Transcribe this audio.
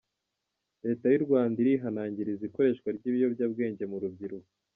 Leta y’urwanda arihanangiriza ikoreshwa ryibiyobya bwenge murubyiruko